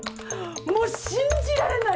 もう信じられない。